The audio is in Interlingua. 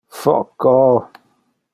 Foco!